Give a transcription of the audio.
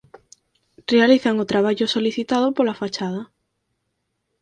Realizan o traballo solicitado pola fachada.